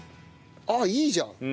あっいいじゃん。